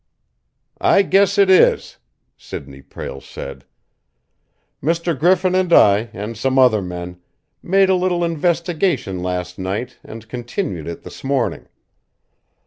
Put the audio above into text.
"I guess it is!" Sidney Prale said. "Mr. Griffin and I, and some other men, made a little investigation last night and continued it this morning.